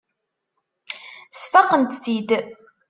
Sfaqent-t-id.